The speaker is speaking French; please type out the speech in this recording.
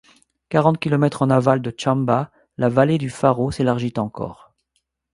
Quarante kilomètres en aval de Tchamba, la vallée du Faro s'élargit encore.